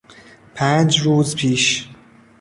پنج روز پیش